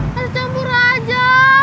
ada campur aja